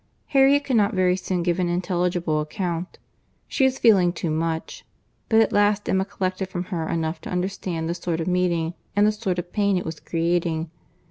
Harriet could not very soon give an intelligible account. She was feeling too much; but at last Emma collected from her enough to understand the sort of meeting, and the sort of pain it was creating.